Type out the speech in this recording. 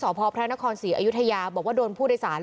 พระพระนครศรีอยุธยาบอกว่าโดนผู้โดยสาร